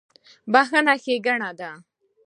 • بښل ښېګڼه ده.